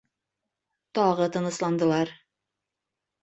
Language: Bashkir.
Тағы тынысландылар.